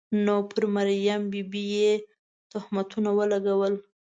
نو پر مریم بي بي یې تهمتونه ولګول.